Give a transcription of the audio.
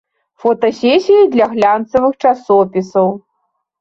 Фотасесіі для глянцавых часопісаў.